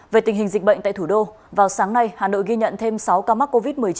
về tình hình dịch bệnh tại thủ đô vào sáng nay hà nội ghi nhận thêm sáu ca mắc covid một mươi chín